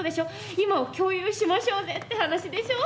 今を共有しましょうぜって話でしょ？